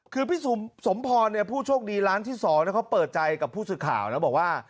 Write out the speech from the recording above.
คือพี่สมพรผู้โชคดีร้านที่๒เขาเปิดใจกับผู้สื่อข่าวนะบอกว่า